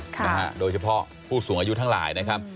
ค่ะนะฮะโดยเฉพาะผู้สูงอายุทั้งหลายนะครับ